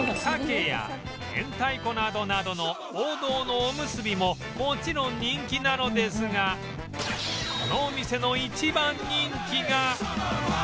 鮭や明太子などなどの王道のおむすびももちろん人気なのですがこのお店の一番人気が